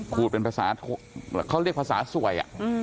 เขาเรียกภาษาสวย